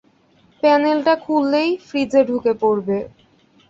প্যানেলটা খুললেই, ফ্রিজে ঢুকে পড়বে।